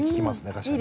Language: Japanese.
確かに。